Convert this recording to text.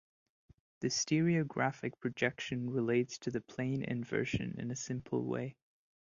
The stereographic projection relates to the plane inversion in a simple way.